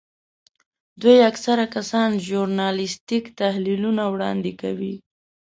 دوی اکثره کسان ژورنالیستیک تحلیلونه وړاندې کوي.